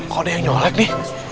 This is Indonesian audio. kok ada yang nyolek nih